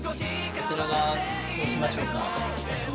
こちら側にしましょうか。